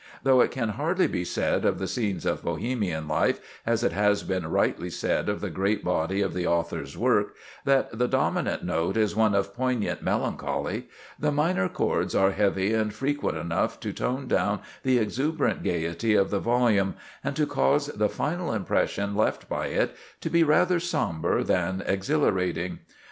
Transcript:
Though it can hardly be said of the "Scenes of Bohemian Life," as it has been rightly said of the great body of the author's work, that the dominant note is one of poignant melancholy, the minor chords are heavy and frequent enough to tone down the exuberant gayety of the volume, and to cause the final impression left by it to be rather sombre than exhilarating.